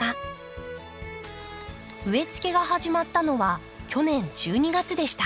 植え付けが始まったのは去年１２月でした。